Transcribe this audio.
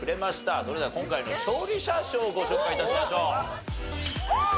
それでは今回の勝利者賞をご紹介致しましょう。